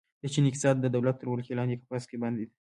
د چین اقتصاد د دولت تر ولکې لاندې قفس کې بندي ده.